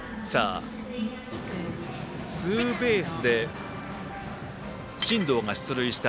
ツーベースで進藤が出塁した